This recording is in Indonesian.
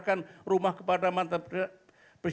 karena yang advantageous